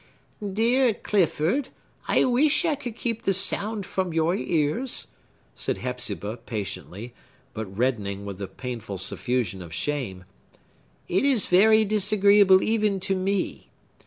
"Dear Clifford, I wish I could keep the sound from your ears," said Hepzibah, patiently, but reddening with a painful suffusion of shame. "It is very disagreeable even to me.